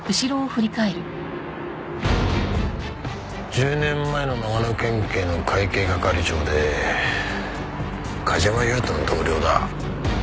１０年前の長野県警の会計係長で梶間優人の同僚だ。